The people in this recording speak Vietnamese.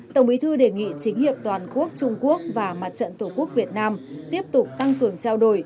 tổng bí thư đề nghị chính hiệp toàn quốc trung quốc và mặt trận tổ quốc việt nam tiếp tục tăng cường trao đổi